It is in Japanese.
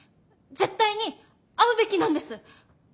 絶対に会うべきなんです！